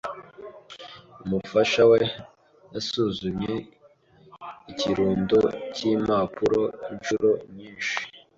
Umufasha we yasuzumye ikirundo cy'impapuro inshuro nyinshi.